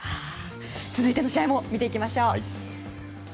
続いての試合も見ていきましょう。